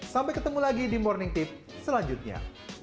sampai ketemu lagi di morning tips selanjutnya